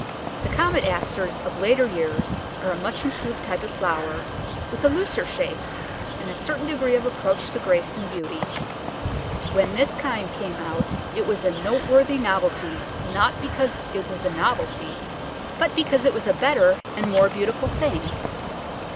The Comet Asters of later years are a much improved type of flower, with a looser shape and a certain degree of approach to grace and beauty. When this kind came out it was a noteworthy novelty, not because it was a novelty, but because it was a better and more beautiful thing.